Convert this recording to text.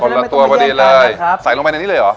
คนละตัวพอดีเลยใส่ลงไปในนี้เลยหรอ